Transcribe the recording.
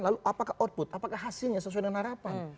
lalu apakah output apakah hasilnya sesuai dengan harapan